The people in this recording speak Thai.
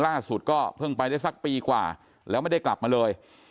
ล่าสุดก็เพิ่งไปได้สักปีกว่าแล้วไม่ได้กลับมาเลย